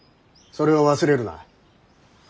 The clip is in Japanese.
それを忘れるな。